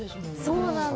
そうなんです。